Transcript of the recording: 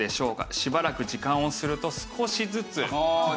しばらく時間をすると少しずつ。